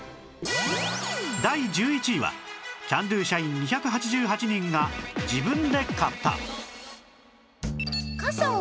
第１１位はキャンドゥ社員２８８人が自分で買った